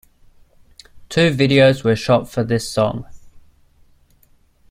Two videos were shot for this song.